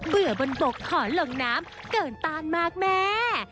ื่อบนบกขอลงน้ำเกินต้านมากแม่